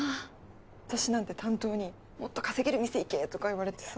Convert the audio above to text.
私なんて担当にもっと稼げる店行けとか言われてさ。